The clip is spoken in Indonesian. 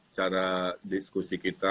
cara diskusi kita